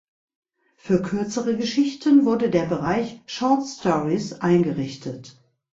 Für kürzere Geschichten wurde der Bereich "Short-Stories" eingerichtet.